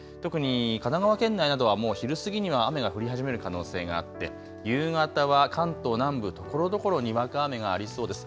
特に神奈川県などはもう昼過ぎには雨が降り始める可能性があって、夕方は関東南部ところどころにわか雨がありそうです。